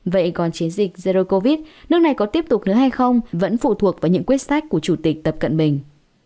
vậy còn chiến dịch zero covid nước này có tiếp tục nữa hay không vẫn phụ thuộc vào những quyết sách của chủ tịch tập cận bình